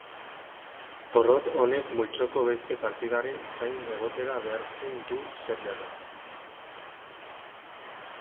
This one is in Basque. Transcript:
Porrot honek multzoko beste partidaren zain egotera behartzen du serbiarra.